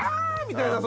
みたいな。